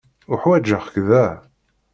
Uḥwaǧeɣ-k da.